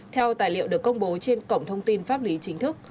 theo tài liệu được công bố trên cổng thông tin pháp lý chính thức